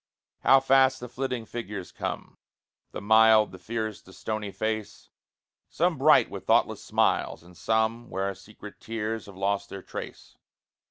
How fast the flitting figures come! The mild, the fierce, the stony face Some bright with thoughtless smiles, and some Where secret tears have lost their trace.